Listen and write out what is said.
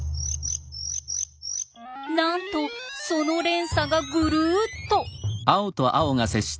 なんとその連鎖がぐるっと。